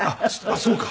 あっそうか。